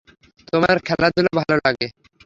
তোমার খেলাধুলা ভালো লাগে।